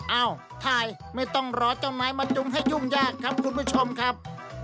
เอ้าถ่ายไม่ต้องรอเจ้าไม้มาจุงให้ยุ่งยากครับคุณผู้ชมครับ